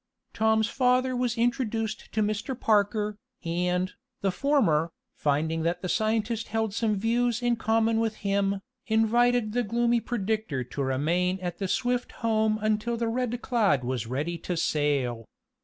Tom's father was introduced to Mr. Parker, and, the former, finding that the scientist held some views in common with him, invited the gloomy predictor to remain at the Swift home until the Red Cloud was ready to sail.